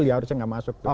jadi dia harusnya gak masuk